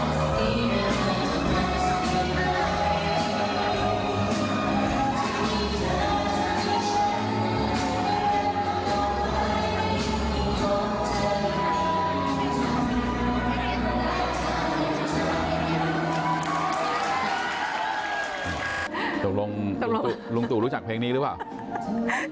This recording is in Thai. ตกลงลุงตู่รู้จักเพลงนี้หรือเปล่า